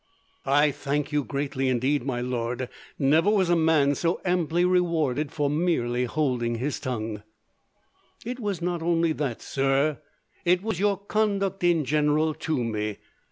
"I thank you greatly, indeed, my lord. Never was a man so amply rewarded for merely holding his tongue." "It was not only that, sir. It was your conduct in general to me.